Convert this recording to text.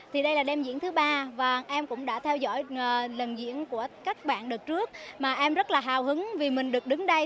thì đây là đêm diễn thứ ba và em cũng đã theo dõi lần diễn của các bạn đợt trước mà em rất là hào hứng vì mình được đứng đây